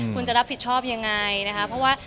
คุณจะรับผิดชอบยังไงนะคะเพราะว่า